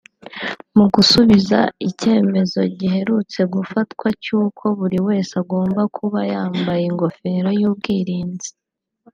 mu gusubiza icyemezo giherutse gufatwa cy’uko buri wese agomba kuba yambaye ingoferpo y’ubwirinzi(casque)